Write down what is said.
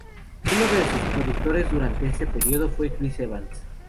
Uno de sus productores durante este periodo fue "Chris Evans".